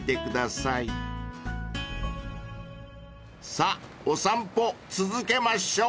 ［さぁお散歩続けましょう！］